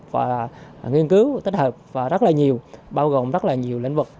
và nghiên cứu tích hợp và rất là nhiều bao gồm rất là nhiều lĩnh vực